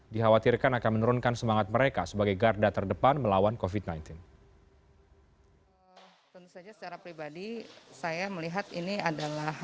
dikhawatirkan akan menurunkan semangat mereka sebagai garda terdepan melawan covid sembilan belas